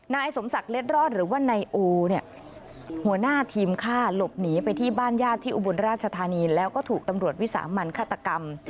นายสมศักดิ์เล็ดรอดหรือว่านายโอเนี่ยหัวหน้าทีมฆ่าหลบหนีไปที่บ้านญาติที่อุบลราชธานีแล้วก็ถูกตำรวจวิสามันฆาตกรรม